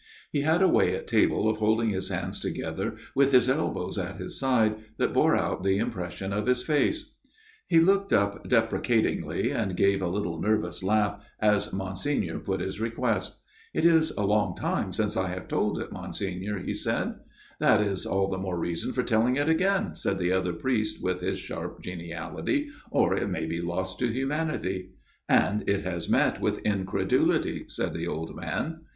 He had a way at table of holding his hands together with his elbows at his side that bore out the impression of his face. 171 172 A MIRROR OF SHALOTT He looked up deprecatingly and gave a little nervous laugh as Monsignor put his request. "It is a long time since I have told it, Monsignor/' he said. " That is the more reason for telling it again," said the other priest with his sharp geniality, " or it may be lost to humanity." " It has met with incredulity," said the old man.